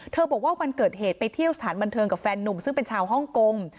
บอกว่าวันเกิดเหตุไปเที่ยวสถานบันเทิงกับแฟนนุ่มซึ่งเป็นชาวฮ่องกง